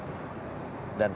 jadi tujuh di atas